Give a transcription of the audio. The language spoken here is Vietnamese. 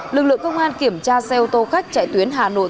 lực lượng công an kiểm tra xe ô tô khách chạy tuyến hà nội